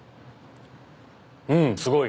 うんすごい。